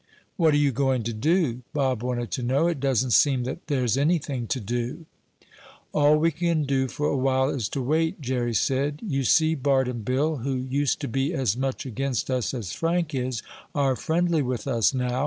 "What are you going to do?" Bob wanted to know. "It doesn't seem that there's anything to do." "All we can do for a while is to wait," Jerry said. "You see Bart and Bill, who used to be as much against us as Frank is, are friendly with us now.